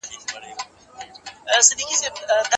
د ټولنې مسؤلين د سالمې تغذیې تأمین مکلف دي.